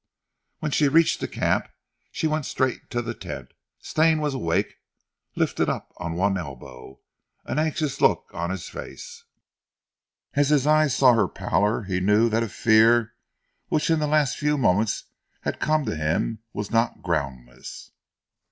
When she reached the camp she went straight to the tent. Stane was awake, lifted up on one elbow, an anxious look upon his face. As his eyes saw her pallor, he knew that a fear which in the last few moments had come to him was not groundless.